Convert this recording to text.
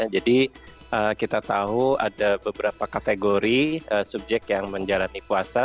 jadi kita tahu ada beberapa kategori subjek yang menjalani puasa